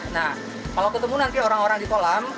nah kalau ketemuan orang orang di kolam